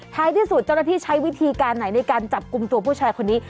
ท้ายที่สุดเจ้าหน้าที่ใช้วิธีการไหนในการจับกลุ่มตัวผู้ชายคนนี้